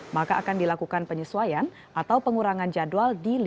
maka akan dilakukan penyesuaian atau pengurangan jadwal